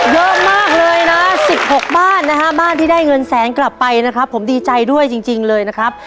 เยอะมากเลยนะ๑๖บ้านนะฮะบ้านที่ได้เงินแสนกลับไปนะครับผมดีใจด้วยจริงเลยนะครับ